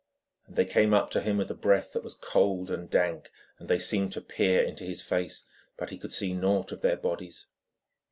And they came up to him with a breath that was cold and dank, and they seemed to peer into his face, but he could see naught of their bodies.